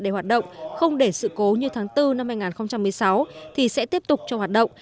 để hoạt động không để sự cố như tháng bốn năm hai nghìn một mươi sáu thì sẽ tiếp tục cho hoạt động